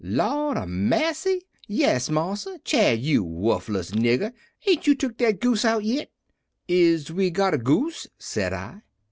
"'Lord a massy! yes, marsa. Chad, you wu'thless nigger, ain't you tuk dat goose out yit?' "'Is we got a goose?' said I.